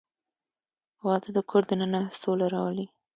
• واده د کور دننه سوله راولي.